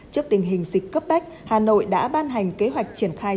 trước tình hình dịch cấp bách hà nội đã ban hành kế hoạch triển khai